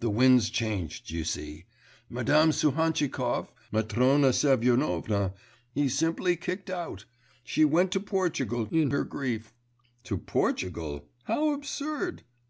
The wind's changed, you see.... Madame Suhantchikov, Matrona Semyonovna, he simply kicked out. She went to Portugal in her grief.' 'To Portugal? How absurd!